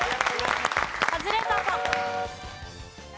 カズレーザーさん。